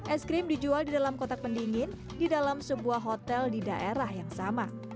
es krim dijual di dalam kotak pendingin di dalam sebuah hotel di daerah yang sama